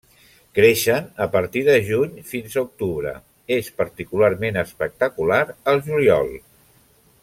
Creixen a partir de juny fins a octubre, és particularment espectacular al juliol.